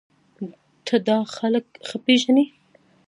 ته دا خلک ښه پېژنې